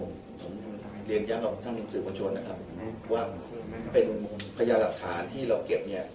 ผมเรียนย้ำกับท่านสื่อประชนนะครับว่าเป็นพยานหลักฐานที่เราเก็บเนี่ย